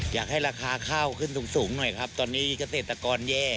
อยากให้ราคาข้าวขึ้นสูงหน่อยครับตอนนี้เกษตรกรแย่